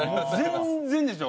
全然でしょ？